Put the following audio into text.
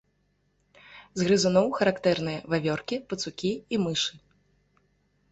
З грызуноў характэрныя вавёркі, пацукі і мышы.